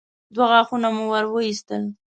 دوه غاښه مو ور وايستل.